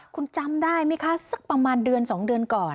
คุณจำได้ไหมคะสักประมาณเดือน๒เดือนก่อน